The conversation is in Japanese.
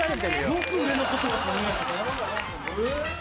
よく売れ残ってますね。